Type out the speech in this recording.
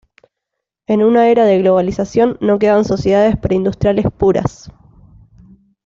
En una era de globalización no quedan sociedades preindustriales "puras".